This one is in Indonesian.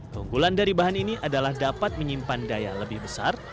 keunggulan dari bahan ini adalah dapat menyimpan daya lebih besar